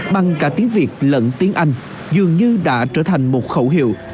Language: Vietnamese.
bằng cả tiếng việt lẫn tiếng anh dường như đã trở thành một khẩu hiệu